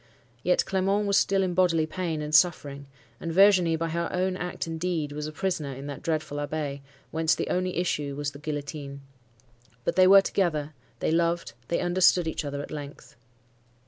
Yet Clement was still in bodily pain and suffering, and Virginie, by her own act and deed, was a prisoner in that dreadful Abbaye, whence the only issue was the guillotine. But they were together: they loved: they understood each other at length.